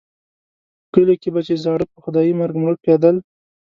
په کلیو کې به چې زاړه په خدایي مرګ مړه کېدل.